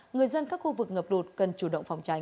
người dân các khu vực ngập đột cần chủ động phòng tránh